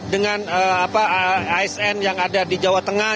dengan asn yang ada di jawa tengah